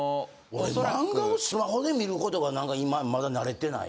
俺漫画をスマホで見ることが今まだ慣れてない。